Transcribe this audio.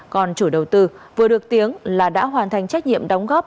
còn chủ đầu tư vừa được tiếng là đã hoàn thành trách nhiệm đóng góp